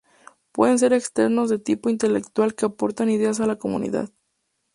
Pueden ser externos de tipo intelectual que aportan ideas a la comunidad.